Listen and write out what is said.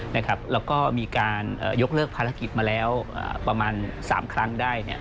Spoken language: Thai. แล้วก็มีการยกเลิกภารกิจมาแล้วประมาณ๓ครั้งได้